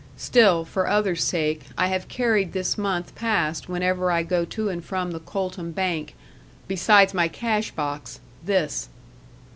Still, for others' sake, I have carried this month past whenever I go to and from the Coltham bank, besides my cash box this."